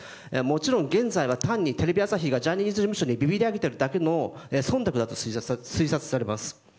もちろん現在は単にテレビ朝日がビビり上げているだけの忖度だと推察されます。